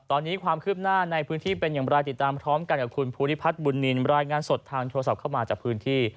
ตอนนี้ความคืบหน้าในพื้นที่เป็นอย่างไรติดตามพร้อมกันกับคุณภูริพัฒน์บุญนินรายงานสดทางโทรศัพท์เข้ามาจากพื้นที่